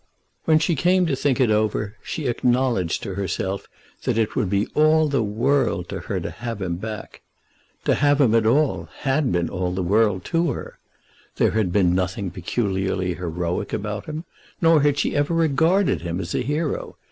When she came to think it over, she acknowledged to herself that it would be all the world to her to have him back. To have him at all had been all the world to her. There had been nothing peculiarly heroic about him, nor had she ever regarded him as a hero.